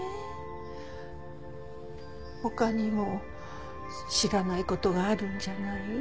他にも知らない事があるんじゃない？